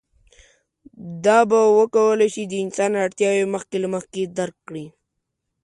دا به وکولی شي د انسان اړتیاوې مخکې له مخکې درک کړي.